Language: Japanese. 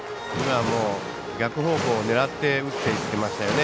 逆方向を狙って打っていってましたよね。